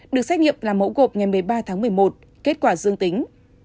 được xét nghiệm là mẫu gộp ngày một mươi ba tháng một mươi một kết quả dương tính